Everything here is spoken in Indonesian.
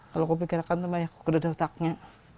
kalau gue pikirkan tuh kayak gede otaknya